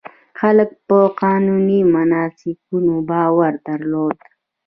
خلکو په قانوني مناسکونو باور درلود.